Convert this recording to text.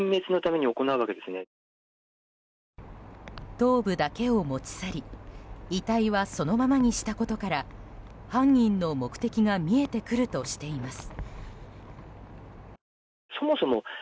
頭部だけを持ち去り遺体はそのままにしたことから犯人の目的が見えてくるとしています。